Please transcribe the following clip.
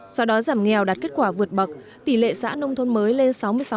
sau đó giảm nghèo đạt kết quả vượt bậc tỷ lệ xã nông thôn mới lên sáu mươi sáu